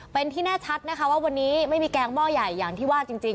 เป็นที่แน่ชัดนะคะว่าวันนี้ไม่มีแกงหม้อใหญ่อย่างที่ว่าจริง